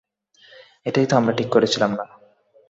এটাই তো আমরা ঠিক করেছিলাম না?